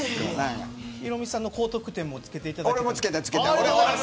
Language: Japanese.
ヒロミさんの高得点もつけていただいたり。